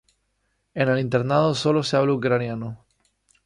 En el internado sólo se habla ucraniano.